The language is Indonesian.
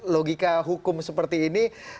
logika hukum seperti ini